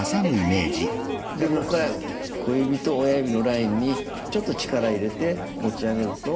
小指と親指のラインにちょっと力入れて持ち上げると。